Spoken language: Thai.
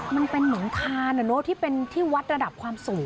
อะไรมันเป็นหนุงทานเหรอที่เป็นวัดระดับความสูง